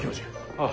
ああ。